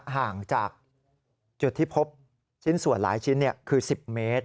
ห่างจากจุดที่พบชิ้นส่วนหลายชิ้นคือ๑๐เมตร